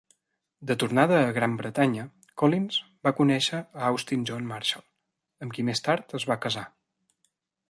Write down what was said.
De tornada a Gran Bretanya, Collins va conèixer Austin John Marshall, amb qui més tard es va casar.